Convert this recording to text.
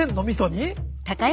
みそに？